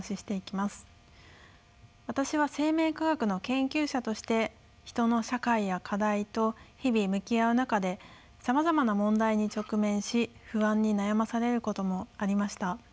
私は生命科学の研究者として人の社会や課題と日々向き合う中でさまざまな問題に直面し不安に悩まされることもありました。